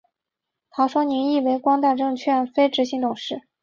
唐双宁亦为光大证券非执行董事。